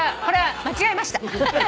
これは間違えました。